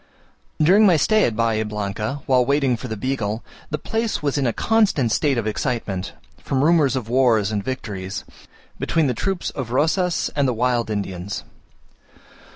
During my stay at Bahia Blanca, while waiting for the Beagle, the place was in a constant state of excitement, from rumours of wars and victories, between the troops of Rosas and the wild Indians.